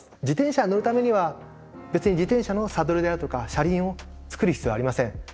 自転車に乗るためには別に自転車のサドルであるとか車輪を作る必要はありません。